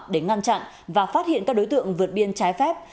để ngăn chặn và phát hiện các đối tượng vượt biên trái phép